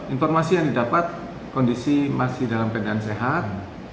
informasi yang didapat kondisi masih dalam keadaan sehat